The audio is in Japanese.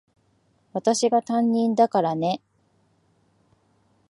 私が担任だからね。